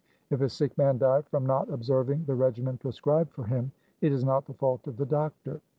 If a sick man die from not observing the regimen prescribed for him, it is not the fault of the doctor.